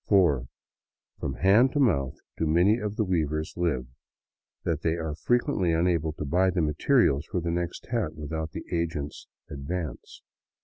For so from hand to mouth do many of the weavers live that they are frequently unable to buy the materials for the next hat without the agent's " advance."